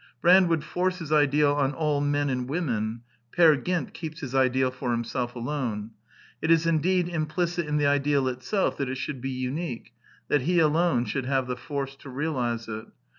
Brand would force his ideal on all men and women: Peer Gynt keeps his ideal for him self alone: it is indeed implicit in the ideal itself that it should be unique — that he alone should have the force to realize it.